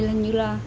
là như là